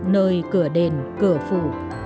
nơi cửa đền cửa phụ